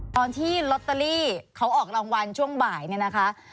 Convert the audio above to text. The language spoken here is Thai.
ตอนที่ลอตเตอรี่เขาออกรางวัลช่วงบ่ายเนี่ยนะคะ